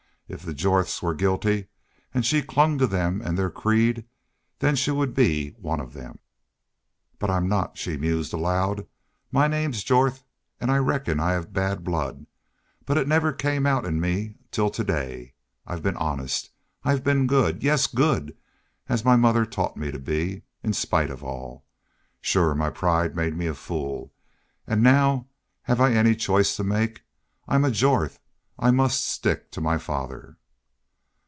If the Jorths were guilty, and she clung to them and their creed, then she would be one of them. "But I'm not," she mused, aloud. "My name's Jorth, an' I reckon I have bad blood.... But it never came out in me till to day. I've been honest. I've been good yes, GOOD, as my mother taught me to be in spite of all.... Shore my pride made me a fool.... An' now have I any choice to make? I'm a Jorth. I must stick to my father."